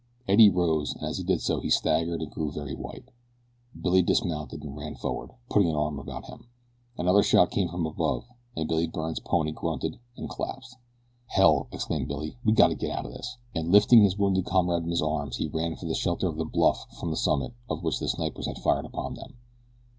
Eddie rose and as he did so he staggered and grew very white. Billy dismounted and ran forward, putting an arm about him. Another shot came from above and Billy Byrne's pony grunted and collapsed. "Hell!" exclaimed Byrne. "We gotta get out of this," and lifting his wounded comrade in his arms he ran for the shelter of the bluff from the summit of which the snipers had fired upon them.